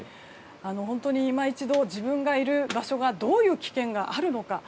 本当に今一度、自分がいる場所がどういう危険があるのか。